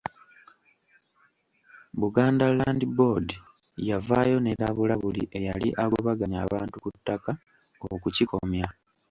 Buganda Land Board yavaayo n'erabula buli eyali agobaganya abantu ku ttaka okukikomya.